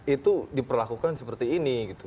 itu diperlakukan seperti ini